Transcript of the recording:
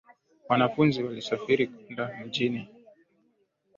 Wanafunzi walisafiri kwenda mjini.